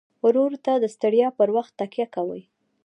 ورور ته د ستړیا پر وخت تکیه کوي.